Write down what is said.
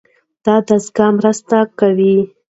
دا دستګاه مرسته کوي.